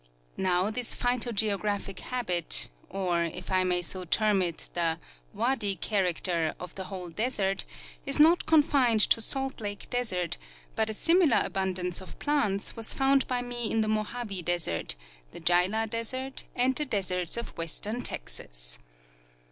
Now this phyto geographic habit, or, if I may so term it, the " wadi character " of the whole desert, is not con fined to Salt Lake desert, but a similar abundance of plants was found by me in the Mohave desert, the Gila desert, and the des erts of western Texas.